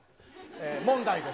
問題です。